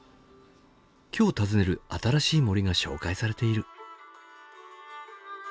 今日訪ねる新しい森が紹介されている。